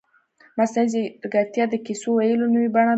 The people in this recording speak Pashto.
مصنوعي ځیرکتیا د کیسو ویلو نوې بڼه ده.